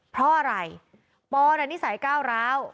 เพราะอะไรปอน่ะนิสัยก้าวร้าว